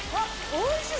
おいしい！